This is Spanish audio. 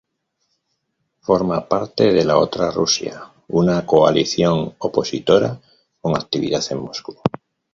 Forma parte de La Otra Rusia, una coalición opositora con actividad en Moscú.